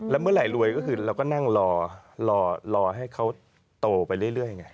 แล้วเมื่อไหร่รวยก็คือเราก็นั่งรอรอให้เขาโตไปเรื่อยไง